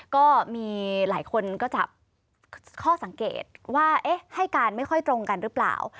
ก็มีหลายคนก็จับข้อสังเกตว่าให้การไม่ค่อยตรงกันหรือเปล่า